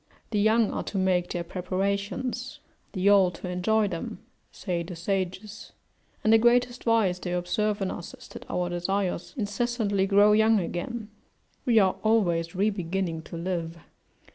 The young are to make their preparations, the old to enjoy them, say the sages: and the greatest vice they observe in us is that our desires incessantly grow young again; we are always re beginning to live.